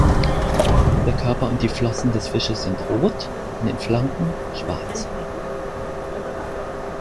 Der Körper und die Flossen des Fisches sind rot, an den Flanken schwarz.